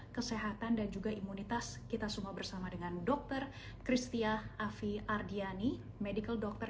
kesehatan dan juga imunitas kita semua bersama dengan dokter kristia afi ardiani medical dr